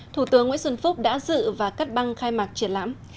thủ tướng nguyễn xuân phúc đã dự và cắt băng khai mạc triển lãm